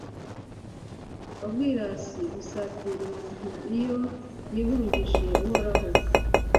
ubwirasi busatira umuntu iyo yihungije uhoraho